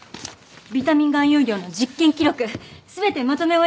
ビタミン含有量の実験記録全てまとめ終わりました！